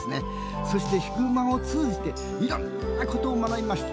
そしてヒグマを通じていろんなことを学びました。